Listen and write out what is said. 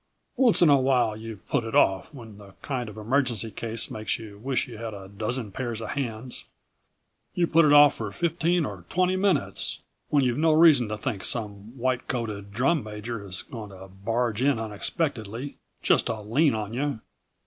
Once in awhile you put it off, when this kind of emergency case makes you wish you had a dozen pairs of hands. You put if off for fifteen or twenty minutes, when you've no reason to think some white coated drum major is going to barge in unexpectedly, just to lean on you.